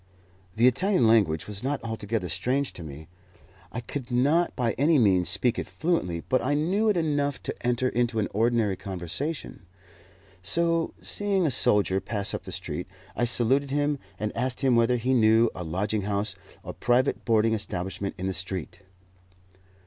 The Italian language was not altogether strange to me. I could not by any means speak it fluently, but I knew it enough to enter into an ordinary conversation. So, seeing a soldier pass up the street, I saluted him and asked him whether he knew a lodging house or private boarding establishment in the street?